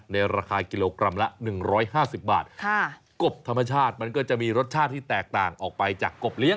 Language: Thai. ในราคากิโลกรัมละ๑๕๐บาทกบธรรมชาติมันก็จะมีรสชาติที่แตกต่างออกไปจากกบเลี้ย